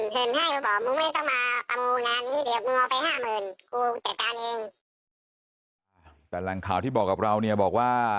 กูจัดการเองแต่แหล่งข่าวที่บอกกับเราเนี่ยบอกว่า